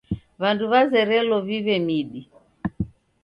W'andu w'azerelo w'iw'e midi.